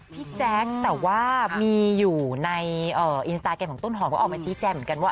แจ๊คแต่ว่ามีอยู่ในอินสตาแกรมของต้นหอมก็ออกมาชี้แจงเหมือนกันว่า